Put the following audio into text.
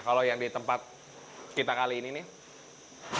kalau yang di tempat kita kali ini nih